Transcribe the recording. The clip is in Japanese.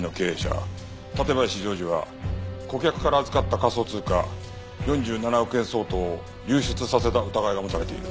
館林穣治は顧客から預かった仮想通貨４７億円相当を流出させた疑いが持たれている。